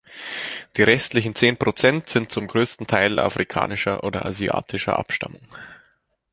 Die restlichen zehn Prozent sind zum größten Teil afrikanischer oder asiatischer Abstammung.